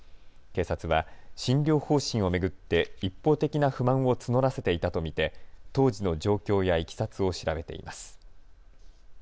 警察は診療方針を巡って一方的な不満を募らせていたと見て当時の状況やいきさつを調べています。